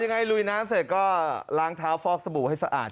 ลุยน้ำเสร็จก็ล้างเท้าฟอกสบู่ให้สะอาด